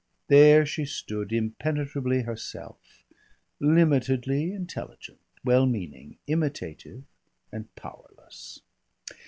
There she stood impenetrably herself, limitedly intelligent, well meaning, imitative, and powerless.